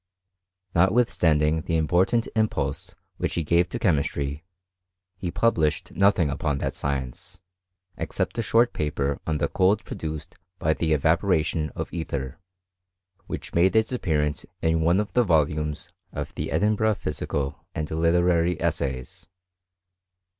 Notwithstanding the important impulse which he gave to chemistry, he published nothing upon that cience, except a short paper on the cold produced by .he evaporation of ether, which made its appearance 'n one of the volumes of the Edinburgh Physical and Literary Essays.